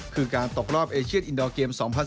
คือการตกรอบเอเชียนอินดอร์เกม๒๐๑๖